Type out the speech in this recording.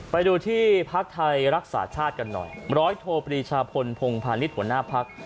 ไปดูที่พักไทยรักษาชาติกันหน่อยร้อยโทปรีชาพลพงพาณิชย์หัวหน้าพัก